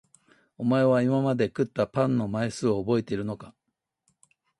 おまえは今まで食ったパンの枚数をおぼえているのか？